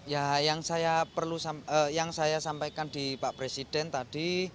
ya yang saya perlu yang saya sampaikan di pak presiden tadi